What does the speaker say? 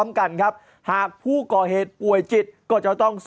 เบิร์ตลมเสียโอ้โห